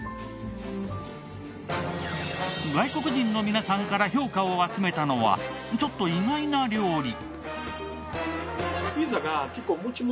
外国人の皆さんから評価を集めたのはちょっと意外な料理。